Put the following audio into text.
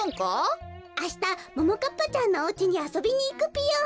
あしたももかっぱちゃんのおうちにあそびにいくぴよ。